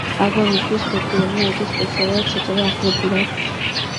ალბომისთვის გებრიელმა იგი სპეციალურად ჩაწერა ახლებურად.